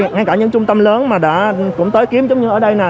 ngay cả những trung tâm lớn mà đã cũng tới kiếm giống như ở đây